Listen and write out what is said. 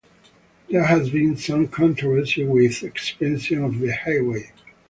There has been some controversy with expansion of the highway.